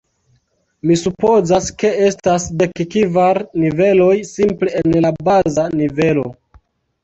Mi supozas ke estas dek kvar niveloj simple en la baza nivelo.